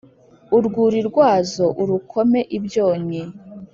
urwuri rwazo urukome ibyonnyi